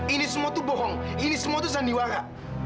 ini semua tuh bohong ini semua itu sandiwara